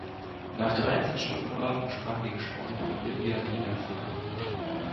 Nach dreizehn Stunden Beratungen sprachen die Geschworenen Olivia Riner frei.